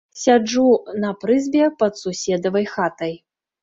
Сяджу на прызбе пад суседавай хатай.